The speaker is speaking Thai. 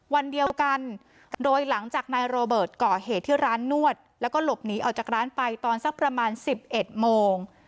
วันเดียวกันโดยหลังจากนายโรเบิร์ตก่อเหตุที่ร้านนวดแล้วก็หลบหนีออกจากร้านไปตอนสักประมาณ๑๑โมง